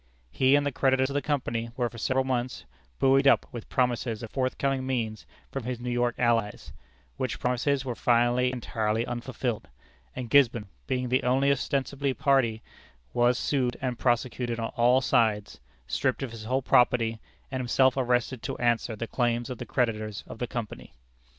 He and the creditors of the company were for several months buoyed up with promises of forthcoming means from his New York allies, which promises were finally entirely unfulfilled; and Gisborne, being the only ostensible party, was sued and prosecuted on all sides, stripped of his whole property, and himself arrested to answer the claims of the creditors of the company.